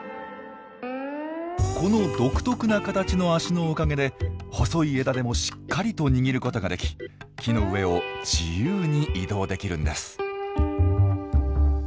この独特な形の足のおかげで細い枝でもしっかりと握ることができ木の上を自由に移動できるんです。